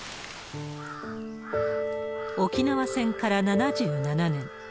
沖縄戦から７７年。